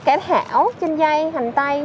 cải thảo chanh dây hành tây